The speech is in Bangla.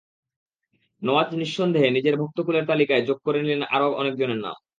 নওয়াজ নিঃসন্দেহে নিজের ভক্তকুলের তালিকায় যোগ করে নিলেন আরও অনেকজনের নাম।